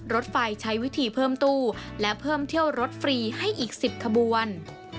รถไฟใช้วิธีเพิ่มตู้และเพิ่มเที่ยวรถฟรีให้อีก๑๐ขบวน